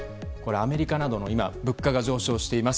アメリカなどの物価が上昇しています。